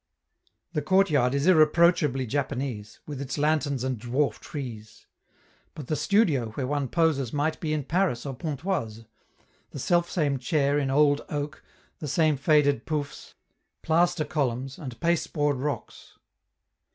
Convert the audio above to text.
The courtyard is irreproachably Japanese, with its lanterns and dwarf trees. But the studio where one poses might be in Paris or Pontoise; the self same chair in "old oak," the same faded "poufs," plaster columns, and pasteboard rocks.